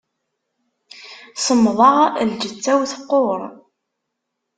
Semmḍeɣ lǧetta-w teqqur.